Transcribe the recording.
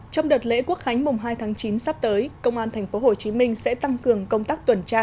trong đợt lễ quốc khánh mùng hai tháng chín sắp tới công an tp hcm sẽ tăng cường công tác tuần tra